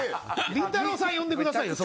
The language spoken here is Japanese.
りんたろーさん呼んでくださいよ。